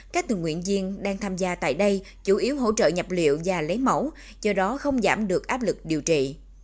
các tình nguyện viên đang tham gia tại đây chủ yếu hỗ trợ nhập liệu và lấy mẫu do đó không giảm được áp lực điều trị